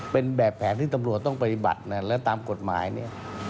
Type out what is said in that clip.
เป็นแบบแผนที่ตำรวจต้องปฏิบัติและตามกฎหมายเนี่ย